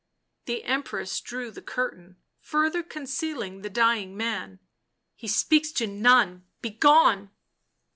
The Empress drew the curtain, further concealing the dying man. " He speaks to none. Begone